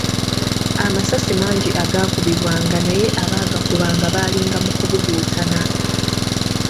Amasasi mangi agaakubibwa naye abaagakubanga baalinga mu kabuguutano.